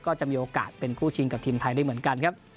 ก็จะมีโอกาสเป็นคู่ชิงกับทีมไทยได้เหมือนกันครับ